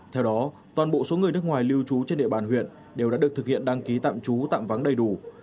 theo đó toàn bộ số người nước ngoài lưu trú trên địa bàn huyện đều đã được thực hiện đăng ký tạm trú tạm vắng đầy đủ